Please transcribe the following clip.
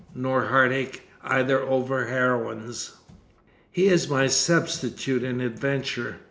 Nor heartache either over heroines. He is my substitute in adventure.